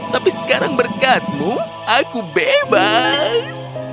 tapi sekarang berkatmu aku bebas